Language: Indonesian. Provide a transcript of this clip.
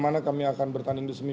tidak ini bukan strategi saya